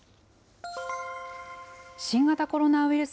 新型コロナウイルス